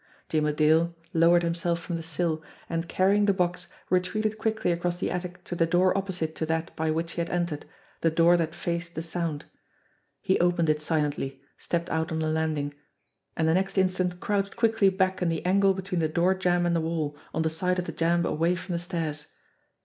Jimmie Dale lowered himself from the sill, and, carrying the box, retreated quickly across the attic to the door opposite to that by which he had entered the door that faced the Sound. He opened it silently, stepped out on the landing and the next instant crouched quickly back in the angle between the door jamb and the wall, on the side of the jamb away from the stairs.